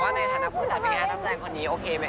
ว่าในฐานะผู้จัดพิคาร์รัฐแสดงคนนี้โอเคมั้ยเอ๋ย